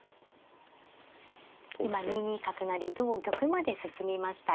今２二角成同玉まで進みました。